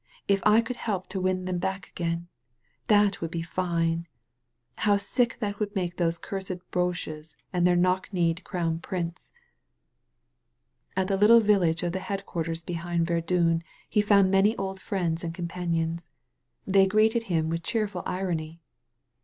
"If I could help to win them back again ! That would be fine ! How sick that would make those cursed boches and their knock kneed Crown Prince I" 1S2 THE MAID OF FRANCE At the little village of the headquarters behind Verdun he found many old friends and companions. They greeted him with cheerful irony.